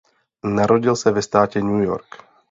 Narodil se ve státě New York.